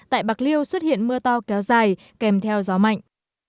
tại bạc liêu xuất hiện mưa to kéo dài kèm theo gió mạnh